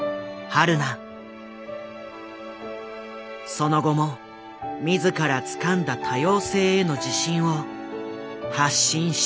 その後も自らつかんだ多様性への自信を発信し続けている。